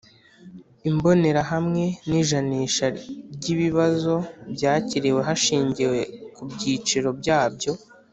Imbonerahamwe n ijanisha ry ibibazo byakiriwe hashingiwe ku byiciro byabyo